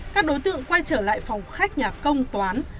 các đối tượng quay trở lại phòng khách nhà công toán